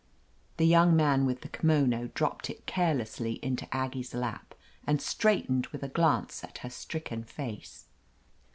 The young man with the kimono dropped it carelessly into Aggie's lap and straightened with a glance at her stricken face.